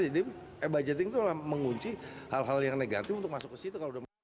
jadi e budgeting itu mengunci hal hal yang negatif untuk masuk ke situ